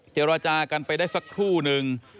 เจรจากันไปได้สักครู่นึง